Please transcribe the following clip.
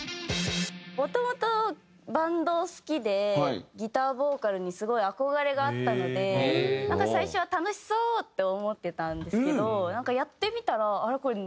もともとバンド好きでギターボーカルにすごい憧れがあったので最初は楽しそう！って思ってたんですけどなんかやってみたらあれ？